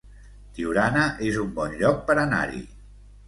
Tiurana es un bon lloc per anar-hi